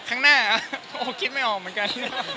ข้างหน้าก็คิดไม่ออกเหมือนกัน